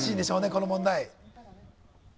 この問題。